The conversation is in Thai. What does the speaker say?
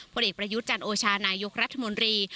ผลเอกประยุทธ์จันโอชานายกรัฐมนตรี